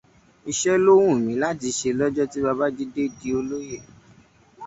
Iṣẹ́ ló wù mí láti ṣe lọ́jọ́ tí Babájídé di olóyè.